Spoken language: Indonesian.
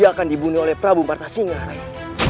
dia akan dibunuh oleh prabu marta singa rai